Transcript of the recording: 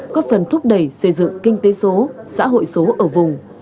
có phần thúc đẩy xây dựng kinh tế số xã hội số ở vùng